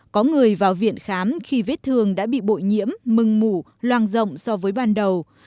có người vào viện khám khi vết thương đã bị bội nhiễm mừng mủ loang rộng so với ban đầu